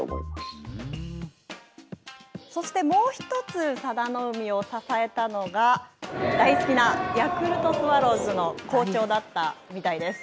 そして、もう１つ、佐田の海を支えたのが、大好きなヤクルトスワローズの好調だったみたいです。